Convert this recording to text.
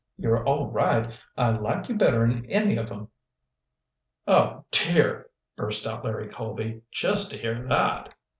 You're all right. I like you better'n any of 'em." "Oh, dear!" burst out Larry Colby. "Just to hear that!"